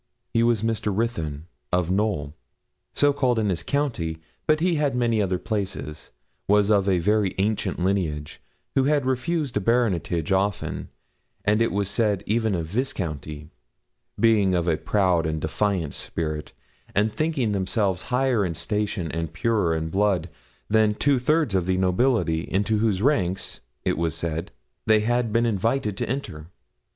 He was Mr. Ruthyn, of Knowl, so called in his county, but he had many other places, was of a very ancient lineage, who had refused a baronetage often, and it was said even a viscounty, being of a proud and defiant spirit, and thinking themselves higher in station and purer of blood than two thirds of the nobility into whose ranks, it was said, they had been invited to enter.